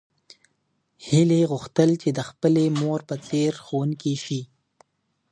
هیلې غوښتل چې د خپلې مور په څېر ښوونکې شي.